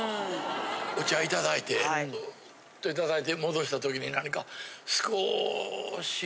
お茶いただいていただいて戻した時に何か少し。